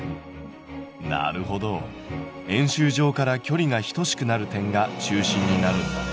なるほど円周上から距離が等しくなる点が中心になるんだね。